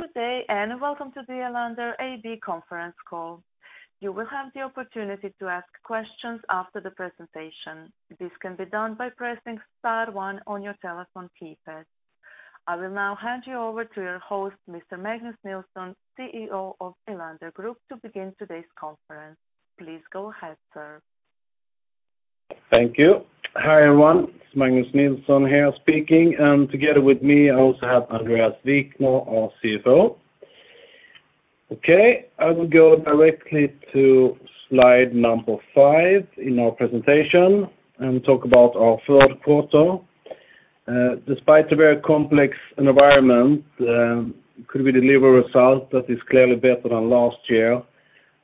Good day and welcome to the Elanders AB Conference Call. You will have the opportunity to ask questions after the presentation. This can be done by pressing star one on your telephone keypad. I will now hand you over to your host, Mr. Magnus Nilsson, CEO of Elanders Group, to begin today's conference. Please go ahead, sir. Thank you. Hi, everyone. It's Magnus Nilsson here speaking, and together with me, I also have Andréas Wikner, our CFO. Okay, I will go directly to slide number 5 in our presentation and talk about our Q3. Despite a very complex environment, we could deliver a result that is clearly better than last year,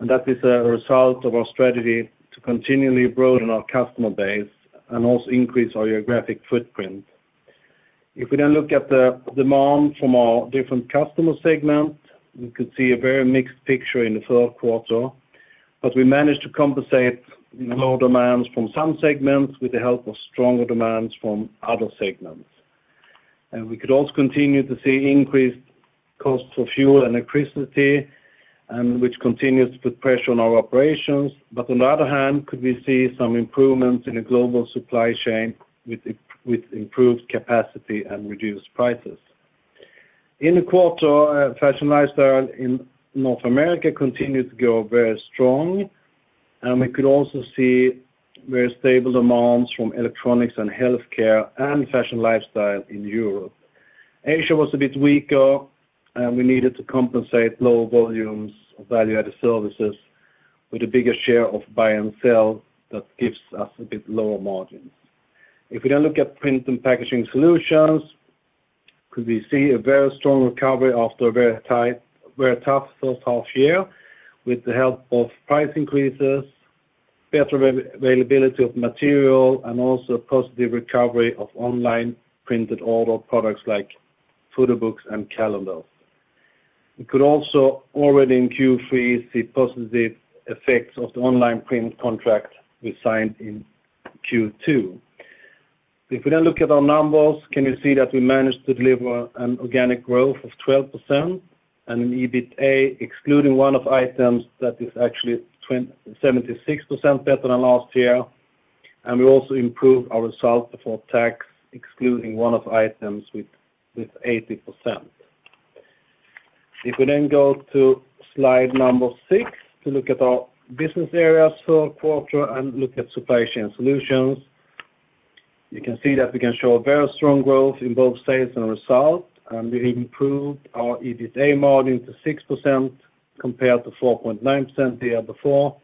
and that is a result of our strategy to continually broaden our customer base and also increase our geographic footprint. If we then look at the demand from our different customer segment, we could see a very mixed picture in Q3, but we managed to compensate low demands from some segments with the help of stronger demands from other segments. We could also continue to see increased costs for fuel and electricity, which continues to put pressure on our operations. On the other hand, could we see some improvements in a global supply chain with improved capacity and reduced prices. In the quarter, fashion lifestyle in North America continued to go very strong, and we could also see very stable demands from electronics and healthcare and fashion lifestyle in Europe. Asia was a bit weaker, and we needed to compensate low volumes of value-added services with a bigger share of buy and sell. That gives us a bit lower margins. If we now look at print and packaging solutions, could we see a very strong recovery after a very tough first half-year with the help of price increases, better availability of material, and also positive recovery of online printed order products like photo books and calendars. We could also already in Q3 see positive effects of the online print contract we signed in Q2. If we now look at our numbers, can you see that we managed to deliver an organic growth of 12% and an EBITA excluding one-off items that is actually 76% better than last year. We also improved our result before tax, excluding one-off items with 80%. If we then go to slide number 6 to look at our business areas Q3 and look at Supply Chain Solutions, you can see that we can show a very strong growth in both sales and result, and we improved our EBITA margin to 6% compared to 4.9% the year before,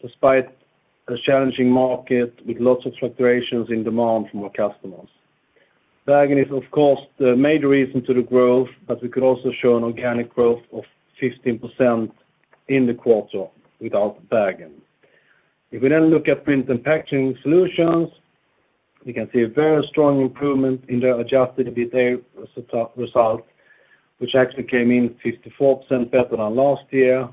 despite a challenging market with lots of fluctuations in demand from our customers. Bergen is, of course, the major reason to the growth, but we could also show an organic growth of 15% in the quarter without the Bergen. If we then look at Print & Packaging Solutions, we can see a very strong improvement in their adjusted EBITA result, which actually came in 54% better than last year.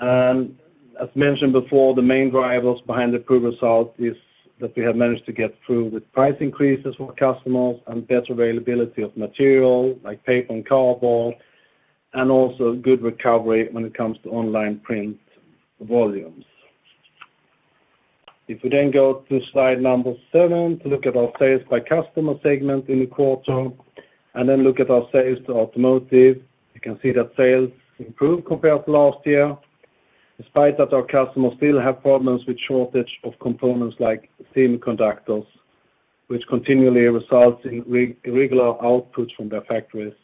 As mentioned before, the main drivers behind the improved result is that we have managed to get through with price increases for customers and better availability of material like paper and cardboard, and also good recovery when it comes to online print volumes. If we then go to slide number 7 to look at our sales by customer segment in the quarter and then look at our sales to automotive, you can see that sales improved compared to last year, despite that our customers still have problems with shortage of components like semiconductors, which continually results in irregular outputs from their factories.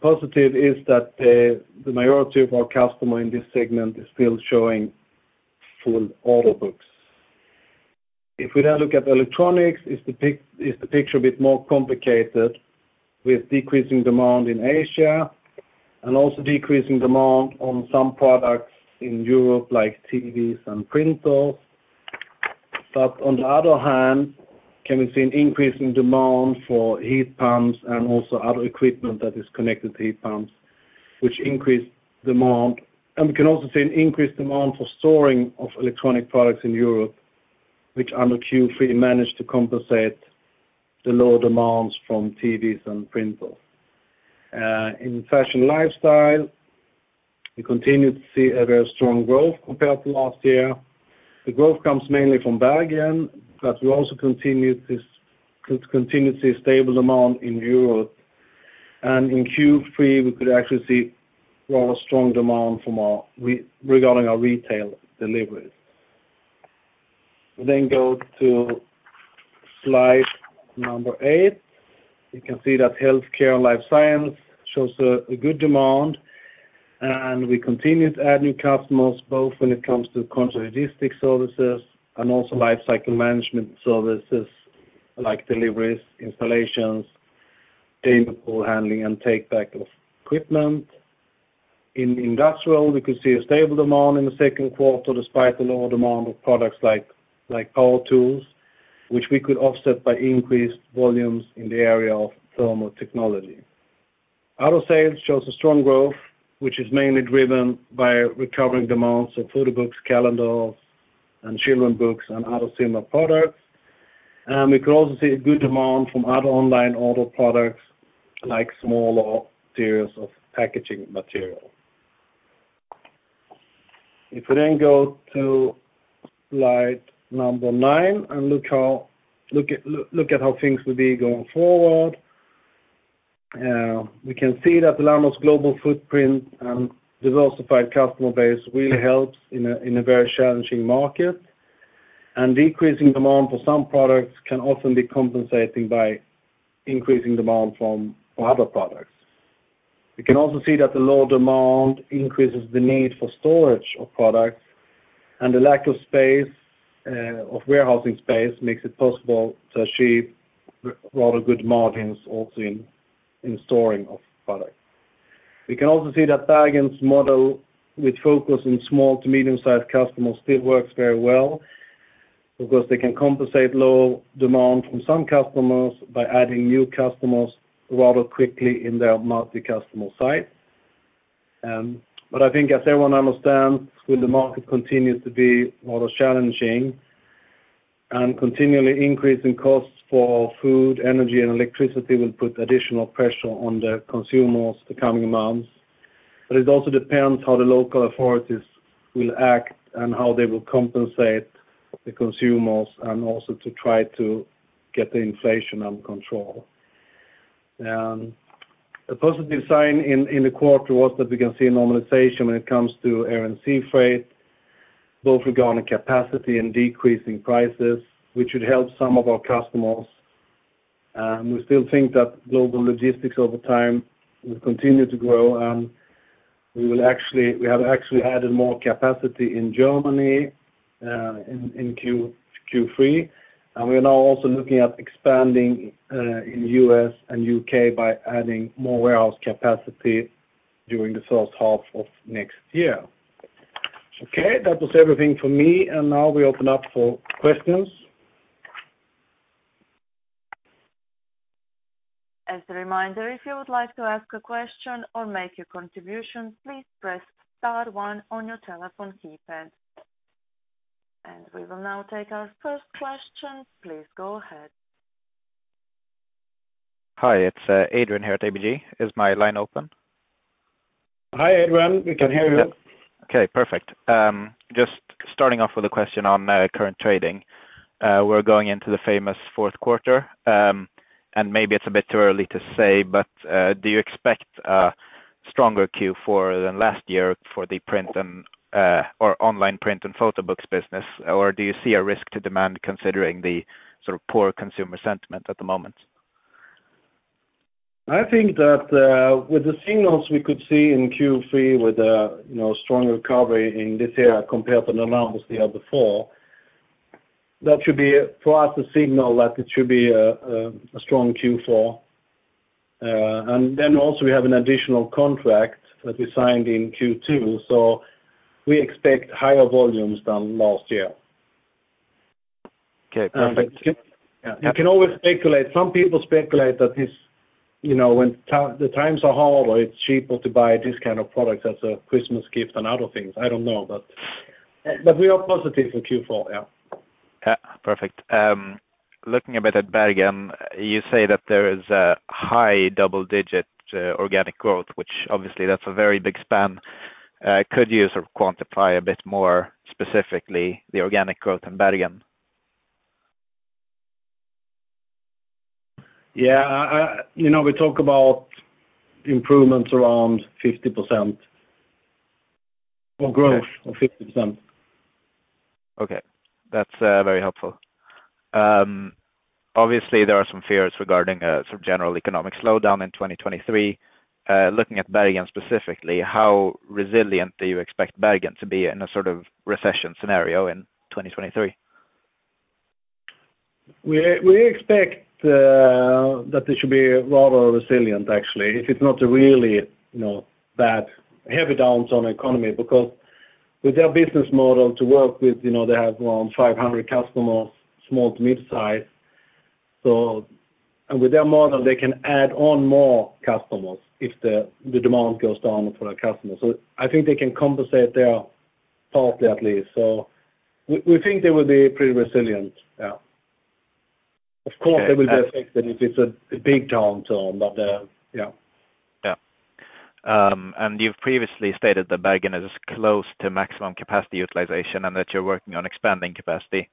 Positive is that, the majority of our customer in this segment is still showing full order books. If we now look at electronics, is the picture a bit more complicated with decreasing demand in Asia and also decreasing demand on some products in Europe like TVs and printers. On the other hand, can we see an increase in demand for heat pumps and also other equipment that is connected to heat pumps, which increase demand. We can also see an increased demand for storing of electronic products in Europe, which under Q3 managed to compensate the low demands from TVs and printers. In fashion lifestyle, we continue to see a very strong growth compared to last year. The growth comes mainly from Bergen, but we also continue to see a stable demand in Europe. In Q3, we could actually see rather strong demand regarding our retail deliveries. We go to slide number 8. You can see that healthcare and life science shows a good demand, and we continue to add new customers, both when it comes to contract logistics services and also lifecycle management services like deliveries, installations, cable handling and take back of equipment. In industrial, we could see a stable demand in Q2, despite the lower demand of products like power tools, which we could offset by increased volumes in the area of thermal technology. Other sales shows a strong growth, which is mainly driven by recovering demands of photo books, calendars, and children's books and other similar products. We could also see a good demand from other online auto products like smaller series of packaging material. If we then go to slide number 9 and look at how things will be going forward. We can see that Elanders global footprint and diversified customer base really helps in a very challenging market. Decreasing demand for some products can often be compensated by increasing demand from other products. We can also see that the low demand increases the need for storage of products, and the lack of space of warehousing space makes it possible to achieve rather good margins also in storing of products. We can also see that Bergen's model, which focus on small to medium-sized customers, still works very well because they can compensate low demand from some customers by adding new customers rather quickly in their multi-customer site. I think as everyone understands, the market will continue to be rather challenging and continually increasing costs for food, energy, and electricity will put additional pressure on the consumers the coming months. It also depends how the local authorities will act and how they will compensate the consumers, and also to try to get the inflation under control. A positive sign in the quarter was that we can see a normalization when it comes to air and sea freight, both regarding capacity and decreasing prices, which would help some of our customers. We still think that global logistics over time will continue to grow, and we have actually added more capacity in Germany in Q3. We are now also looking at expanding in U.S. and U.K. by adding more warehouse capacity during the first half of next year. Okay, that was everything for me, and now we open up for questions. As a reminder, if you would like to ask a question or make a contribution, please press star one on your telephone keypad. We will now take our first question. Please go ahead. Hi, it's Adrian here at ABG. Is my line open? Hi, Adrian. We can hear you. Okay, perfect. Just starting off with a question on current trading. We're going into the famous Q4, and maybe it's a bit too early to say, but do you expect a stronger Q4 than last year for the print and or online print and photo books business? Or do you see a risk to demand considering the sort of poor consumer sentiment at the moment? I think that with the signals we could see in Q3 with a, you know, strong recovery in this area compared to the numbers the year before, that should be for us a signal that it should be a strong Q4. Also we have an additional contract that we signed in Q2, so we expect higher volumes than last year. Okay, perfect. You can always speculate. Some people speculate that this, you know, the times are hard or it's cheaper to buy this kind of products as a Christmas gift and other things, I don't know. We are positive for Q4, yeah. Yeah. Perfect. Looking a bit at Bergen, you say that there is a high double-digit organic growth, which obviously that's a very big span. Could you sort of quantify a bit more specifically the organic growth in Bergen? Yeah. I, you know, we talk about improvements around 50% or growth of 50%. Okay. That's very helpful. Obviously, there are some fears regarding some general economic slowdown in 2023. Looking at Bergen specifically, how resilient do you expect Bergen to be in a sort of recession scenario in 2023? We expect that they should be rather resilient actually, if it's not a really, you know, bad heavy downturn economy because with their business model to work with, you know, they have around 500 customers, small to mid-size. With their model, they can add on more customers if the demand goes down for a customer. I think they can compensate there partly at least. We think they will be pretty resilient. Yeah. Of course, they will be affected if it's a big downturn, but yeah. Yeah. You've previously stated that Bergen is close to maximum capacity utilization and that you're working on expanding capacity.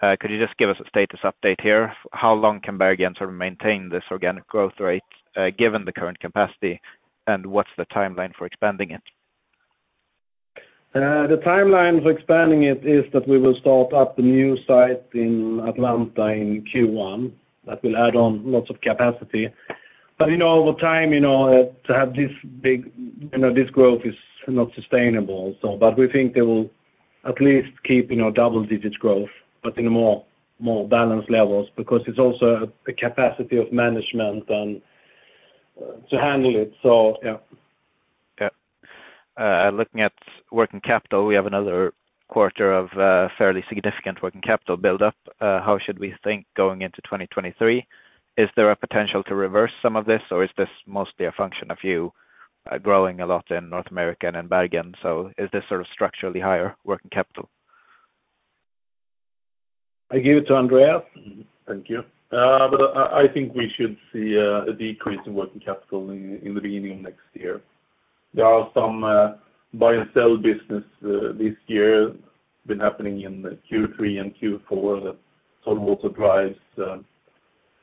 Could you just give us a status update here? How long can Bergen sort of maintain this organic growth rate, given the current capacity, and what's the timeline for expanding it? The timeline for expanding it is that we will start up the new site in Atlanta in Q1. That will add on lots of capacity. You know, over time, you know, to have this big, you know, this growth is not sustainable so. We think they will at least keep, you know, double digits growth, but in a more balanced levels because it's also a capacity management and to handle it. Yeah. Yeah. Looking at working capital, we have another quarter of fairly significant working capital build up. How should we think going into 2023? Is there a potential to reverse some of this, or is this mostly a function of you growing a lot in North America and in Bergen. Is this sort of structurally higher working capital? I give it to Andréas. Thank you. I think we should see a decrease in working capital in the beginning of next year. There are some buy and sell business this year been happening in the Q3 and Q4 that sort of also drives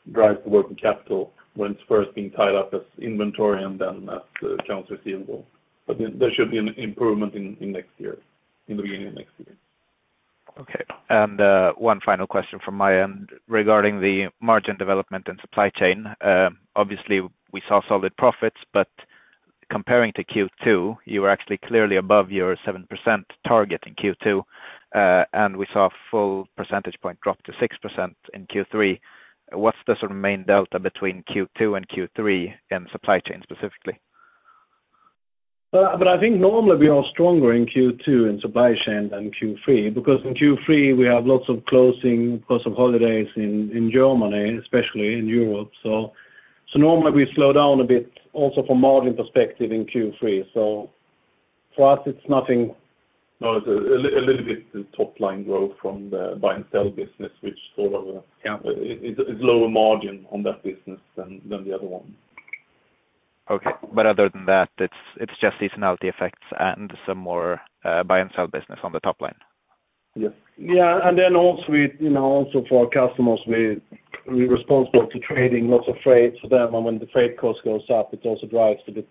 the working capital when it's first being tied up as inventory and then as accounts receivable. There should be an improvement in next year, in the beginning of next year. Okay. One final question from my end regarding the margin development and supply chain. Obviously we saw solid profits, but comparing to Q2, you were actually clearly above your 7% target in Q2. We saw a full percentage point drop to 6% in Q3. What's the sort of main delta between Q2 and Q3 in supply chain specifically? I think normally we are stronger in Q2 in supply chain than Q3 because in Q3 we have lots of closing because of holidays in Germany, especially in Europe. Normally we slow down a bit also from margin perspective in Q3. For us, it's nothing. No, it's a little bit the top-line growth from the buy and sell business which sort of Yeah It's lower margin on that business than the other one. Okay. Other than that, it's just seasonality effects and some more buy and sell business on the top-line. Yes. Yeah. We, you know, also for our customers, we responsible to trading lots of freight for them. When the freight cost goes up, it also drives the EBIT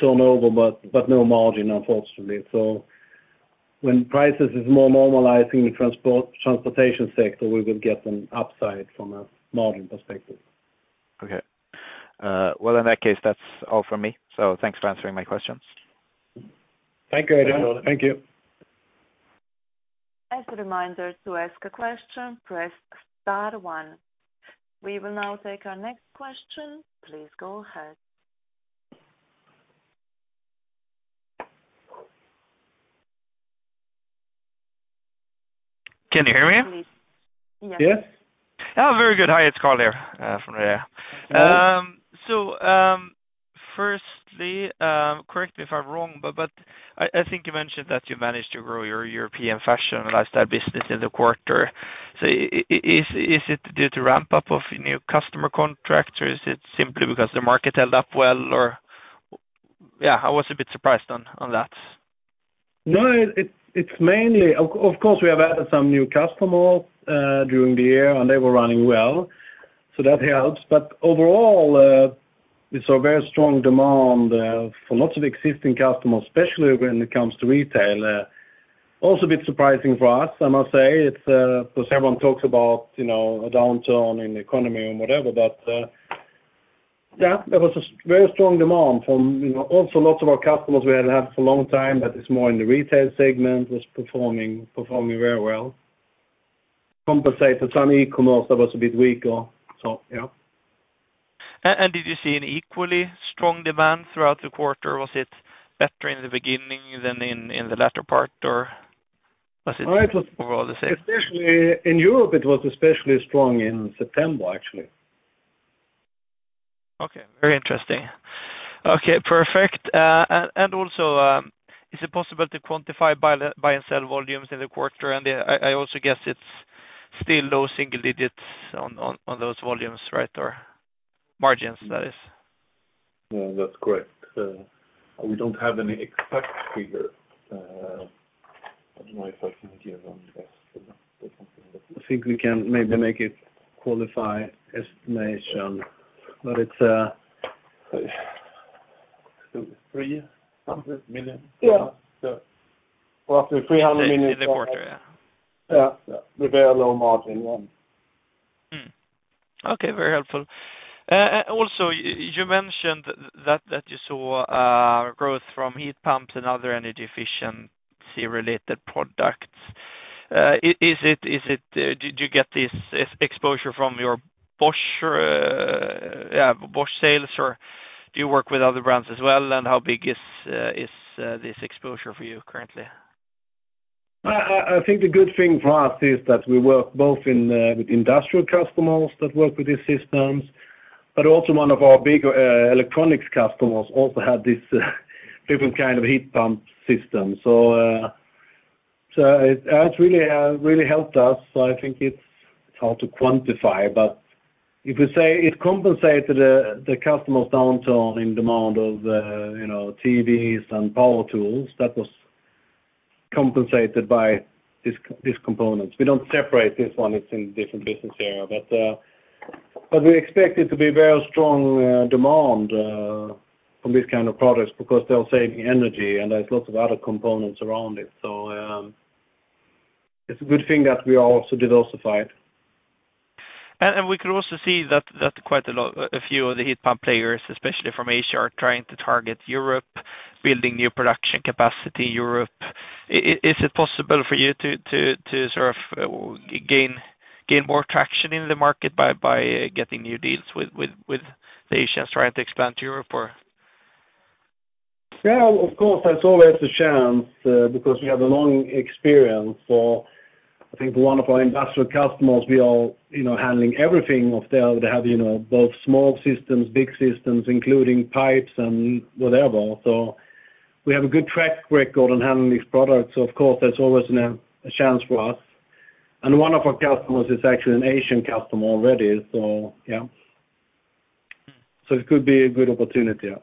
turnover, but no margin unfortunately. When prices is more normalizing the transportation sector, we will get an upside from a margin perspective. Okay. Well, in that case, that's all from me, so thanks for answering my questions. Thank you, Adrian. Thank you. As a reminder, to ask a question, press star one. We will now take our next question. Please go ahead. Can you hear me? Please. Yeah. Yes. Oh, very good. Hi, it's Carl here, from Redeye. Hello. Firstly, correct me if I'm wrong, but I think you mentioned that you managed to grow your European fashion and lifestyle business in the quarter. Is it due to ramp up of new customer contracts, or is it simply because the market held up well? Yeah, I was a bit surprised on that. No, it's mainly. Of course, we have added some new customers during the year, and they were running well, so that helps. Overall, we saw very strong demand from lots of existing customers, especially when it comes to retail. Also a bit surprising for us, I must say. It's so everyone talks about, you know, a downturn in the economy and whatever, but yeah, there was very strong demand from, you know, also lots of our customers we hadn't had for a long time, but it's more in the retail segment. It's performing very well. Compensated some e-commerce that was a bit weaker, so yeah. Did you see an equally strong demand throughout the quarter? Was it better in the beginning than in the latter part, or was it more or the same? Especially in Europe, it was especially strong in September, actually. Okay. Very interesting. Okay, perfect. Also, is it possible to quantify buy and sell volumes in the quarter? Yeah, I also guess it's still low single digits on those volumes, right, or margins, that is. Yeah, that's correct. We don't have any exact figure. I don't know if I can give an estimate or something like that. I think we can maybe make it qualified estimate, but it's 200 million-300 million. Yeah. Roughly 300 million. In the quarter, yeah. Yeah. With very low margin, yeah. Okay. Very helpful. Also you mentioned that you saw growth from heat pumps and other energy efficiency-related products. Do you get this exposure from your Bosch sales, or do you work with other brands as well, and how big is this exposure for you currently? I think the good thing for us is that we work both in with industrial customers that work with these systems, but also one of our bigger electronics customers also have this different kind of heat pump system. It it's really really helped us. I think it's hard to quantify, but if you say it compensated the customers' downturn in demand of you know, TVs and power tools, that was compensated by these components. We don't separate this one, it's in different business area. We expect it to be very strong demand from these kind of products because they're saving energy and there's lots of other components around it. It's a good thing that we are also diversified. We could also see that quite a lot, a few of the heat pump players, especially from Asia, are trying to target Europe, building new production capacity Europe. Is it possible for you to sort of gain more traction in the market by getting new deals with the Asians trying to expand to Europe, or? Yeah, of course, that's always a chance, because we have a long experience for, I think one of our industrial customers, we are, you know, handling everything of their. They have, you know, both small systems, big systems, including pipes and whatever. We have a good track record on handling these products, so of course, there's always a chance for us. One of our customers is actually an Asian customer already, so yeah. Mm. It could be a good opportunity, yeah.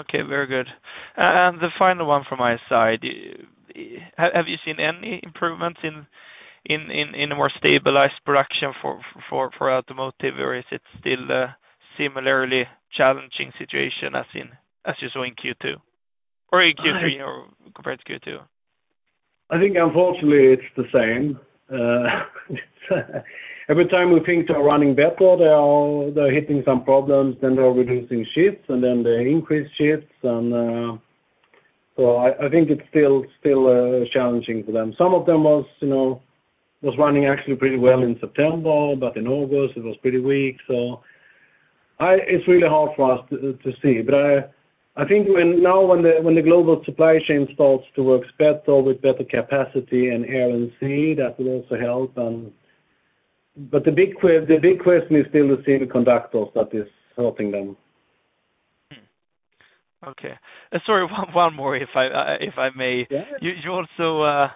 Okay, very good. The final one from my side. Have you seen any improvements in a more stabilized production for automotive? Is it still a similarly challenging situation as you saw in Q2 or in Q3 or compared to Q2? I think unfortunately it's the same. Every time we think they are running better, they're hitting some problems, then they're reducing shifts, and then they increase shifts. I think it's still challenging for them. Some of them was you know running actually pretty well in September, but in August it was pretty weak. It's really hard for us to see. I think when the global supply chain starts to work better with better capacity and air and sea, that will also help. The big question is still the semiconductors that is helping them. Okay. Sorry, one more if I may. Yeah.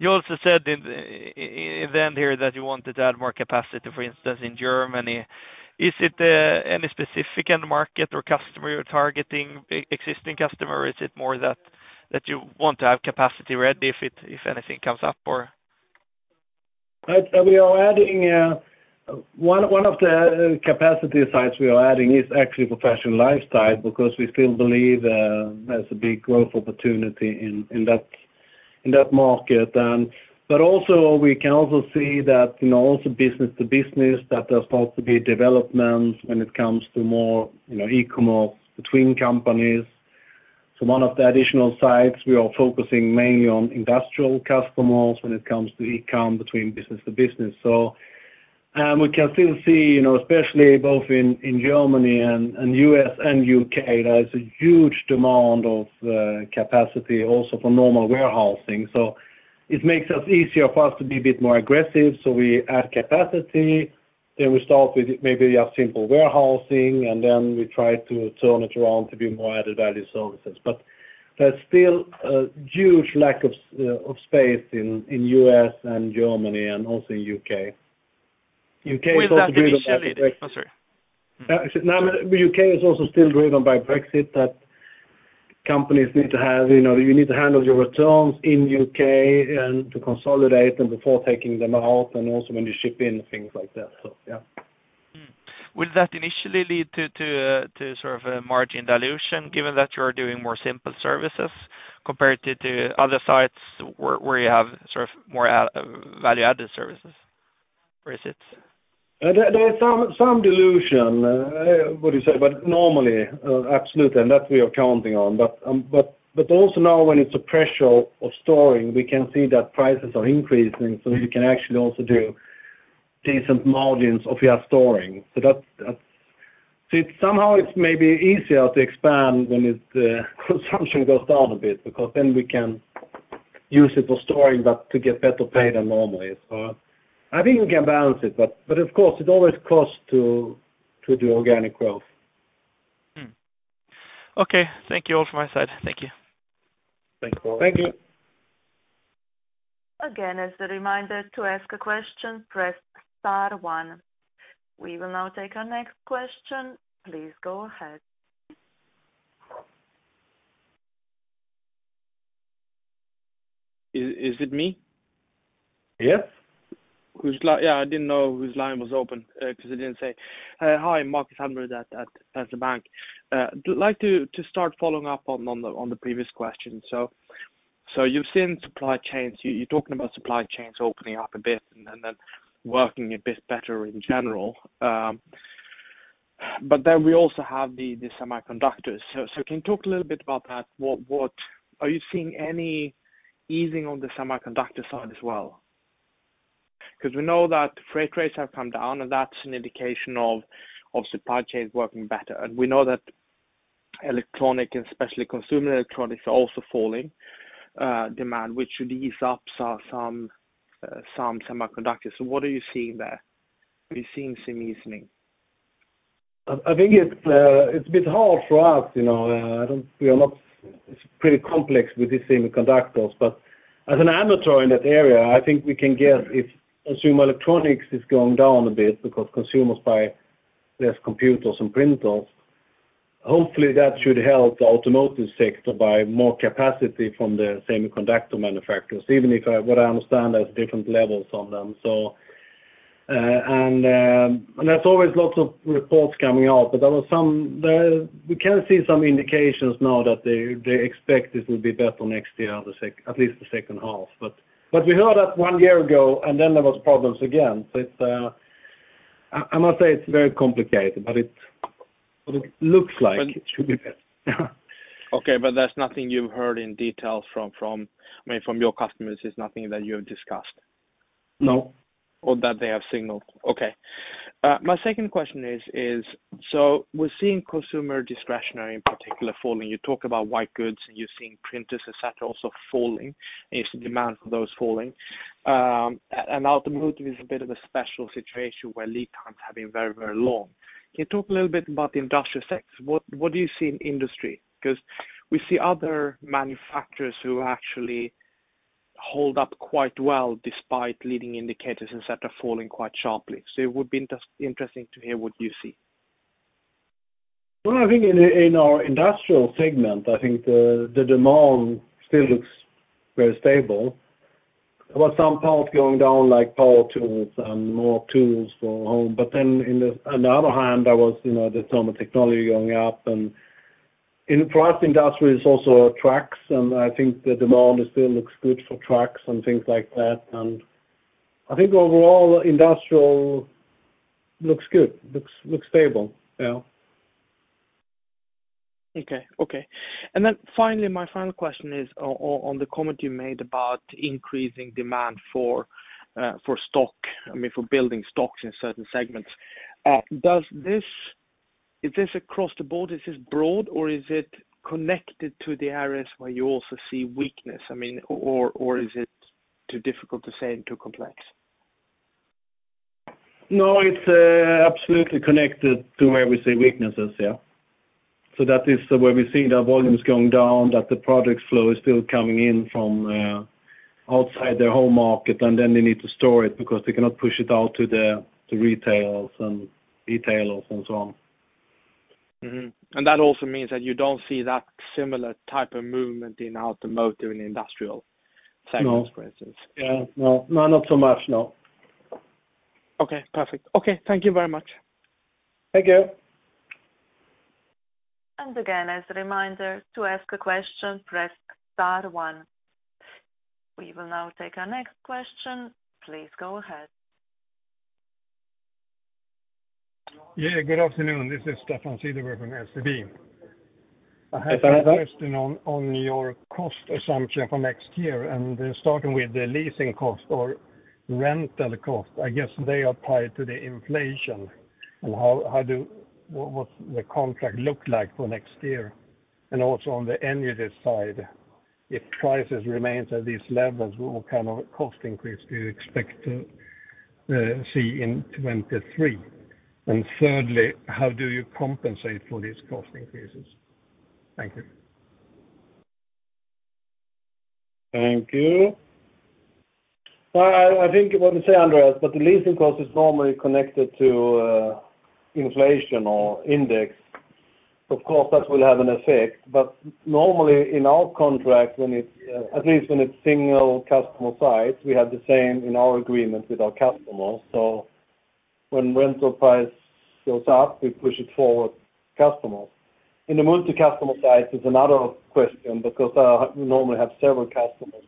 You also said in the end here that you wanted to add more capacity, for instance, in Germany. Is it any specific end market or customer you're targeting, existing customer, or is it more that you want to have capacity ready if anything comes up, or? Right. We are adding one of the capacity sites we are adding is actually professional lifestyle because we still believe there's a big growth opportunity in that market. Also we can also see that, you know, also business to business, that there's supposed to be developments when it comes to more, you know, e-commerce between companies. One of the additional sites, we are focusing mainly on industrial customers when it comes to e-com between business to business. We can still see, you know, especially both in Germany and U.S. and U.K., there's a huge demand of capacity also for normal warehousing. It makes it easier for us to be a bit more aggressive, so we add capacity, then we start with maybe a simple warehousing, and then we try to turn it around to be more value-added services. There's still a huge lack of space in US and Germany and also in UK. UK is also driven by Brexit. Oh, sorry. No. The U.K. is also still driven by Brexit that companies need to have, you know, you need to handle your returns in U.K. and to consolidate and before taking them out and also when you ship in, things like that. Yeah. Would that initially lead to sort of a margin dilution given that you are doing more simple services compared to other sites where you have sort of more value-added services? Or is it- There is some dilution, what do you say? Normally, absolutely, and that we are counting on. Also now when there's pressure on storing, we can see that prices are increasing, so we can actually also do decent margins on our storing. That's. See, somehow it's maybe easier to expand when consumption goes down a bit because then we can use it for storing, but to get better pay than normally. I think we can balance it, of course, it always costs to do organic growth. Okay. Thank you. All from my side. Thank you. Thanks a lot. Thank you. Again, as a reminder to ask a question, press star one. We will now take our next question. Please go ahead. Is it me? Yes. Yeah, I didn't know whose line was open, 'cause it didn't say. Hi, Marcus Hultner at the bank. Like to start following up on the previous question. You've seen supply chains. You're talking about supply chains opening up a bit and then working a bit better in general. But then we also have the semiconductors. Can you talk a little bit about that? Are you seeing any easing on the semiconductor side as well? 'Cause we know that freight rates have come down, and that's an indication of supply chains working better. We know that electronics, especially consumer electronics are also falling demand, which should ease up some semiconductors. What are you seeing there? Are you seeing some easing? I think it's a bit hard for us, you know. It's pretty complex with these semiconductors, but as an amateur in that area, I think we can guess if consumer electronics is going down a bit because consumers buy less computers and printers. Hopefully, that should help the automotive sector buy more capacity from the semiconductor manufacturers, even if what I understand, there's different levels on them. There's always lots of reports coming out. We can see some indications now that they expect this will be better next year, at least the second half. We heard that one year ago, and then there was problems again. It'sI must say it's very complicated, but it looks like it should be better. Okay, that's nothing you've heard in details from, I mean, from your customers. It's nothing that you have discussed? No That they have signaled. Okay. My second question is so we're seeing consumer discretionary in particular falling. You talk about white goods and you're seeing printers, et cetera, also falling, you see demand for those falling. And automotive is a bit of a special situation where lead times have been very long. Can you talk a little bit about the industrial sector? What do you see in industry? Because we see other manufacturers who actually hold up quite well despite leading indicators, et cetera, falling quite sharply. It would be interesting to hear what you see. Well, I think in our industrial segment, I think the demand still looks very stable. There was some part going down like power tools and more tools for home. In the, on the other hand, there was, you know, the thermal technology going up. In for us, industrial is also trucks, and I think the demand still looks good for trucks and things like that. I think overall, industrial looks good, looks stable. Yeah. Okay. Then finally, my final question is on the comment you made about increasing demand for stock, I mean for building stocks in certain segments. Does this? Is this across the board? Is this broad or is it connected to the areas where you also see weakness? I mean, or is it too difficult to say and too complex? No, it's absolutely connected to where we see weaknesses, yeah. That is where we see the volumes going down, that the product flow is still coming in from outside their home market, and then they need to store it because they cannot push it out to retail and retailers and so on. That also means that you don't see that similar type of movement in automotive and industrial segments. No For instance? Yeah, no. No, not so much, no. Okay, perfect. Okay, thank you very much. Thank you. Again as a reminder, to ask a question, press star one. We will now take our next question. Please go ahead. Yeah, good afternoon. This is Stefan Söderberg from SEB. Hi, Stefan. I have a question on your cost assumption for next year, starting with the leasing cost or rental cost. I guess they are tied to the inflation. What's the contract look like for next year? Also on the energy side, if prices remains at these levels, what kind of cost increase do you expect to see in 2023? Thirdly, how do you compensate for these cost increases? Thank you. Thank you. Well, I think what you say, Andréas, the leasing cost is normally connected to inflation or index. Of course, that will have an effect. Normally in our contract, at least when it's single customer sites, we have the same in our agreements with our customers. When rental price goes up, we push it forward to customers. In the multi-customer sites, it's another question because you normally have several customers.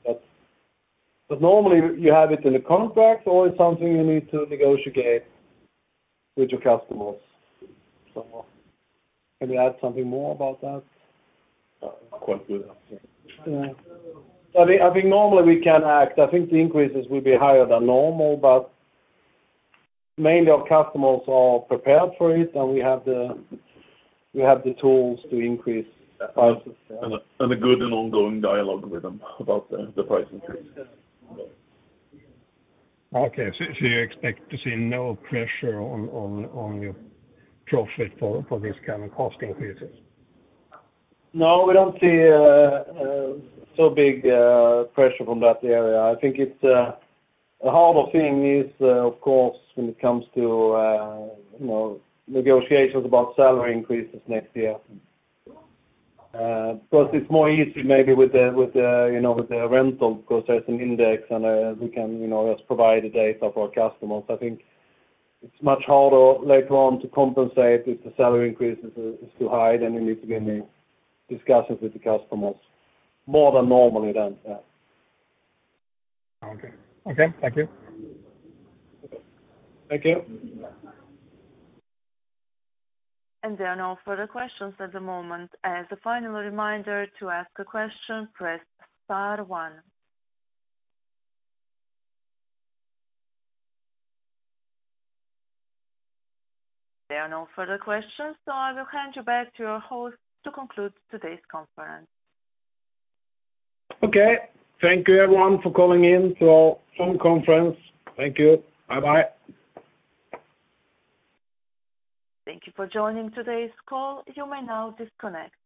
Normally you have it in a contract or it's something you need to negotiate with your customers. Can you add something more about that? Quite good, I think. Yeah. I think normally we can act. I think the increases will be higher than normal, but mainly our customers are prepared for it, and we have the tools to increase prices. A good and ongoing dialogue with them about the price increase. Okay. You expect to see no pressure on your profit for this kind of cost increases? No, we don't see so big pressure from that area. I think it's the harder thing is, of course, when it comes to you know negotiations about salary increases next year. Because it's more easy maybe with the you know with the rental because there's an index and we can you know just provide the data for our customers. I think it's much harder later on to compensate if the salary increase is too high, then you need to be in the discussions with the customers more than normally then, yeah. Okay. Thank you. Thank you. There are no further questions at the moment. As a final reminder, to ask a question, press star one. There are no further questions, so I will hand you back to your host to conclude today's conference. Okay. Thank you everyone for calling in to our phone conference. Thank you. Bye-bye. Thank you for joining today's call. You may now disconnect.